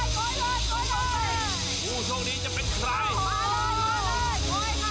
ถ้าพร้อมแล้วก็ก้นเลยค่ะ